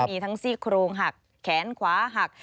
มีทั้งซี่โครงหักแขนขวาหัก